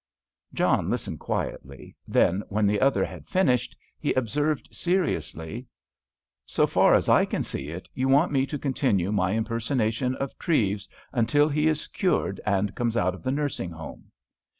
John listened quietly; then, when the other had finished, he observed seriously: "So far as I see it, you want me to continue my impersonation of Treves until he is cured and comes out of the nursing home."